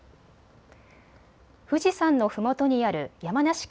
富士山のふもとにある山梨県